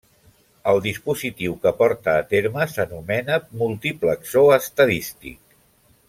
El dispositiu que porta a terme s'anomena multiplexor estadístic.